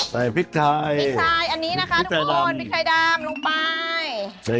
เสร็จแล้วจ้ะ